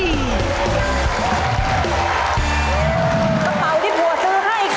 กระเป๋าที่ผัวซื้อให้ค่ะ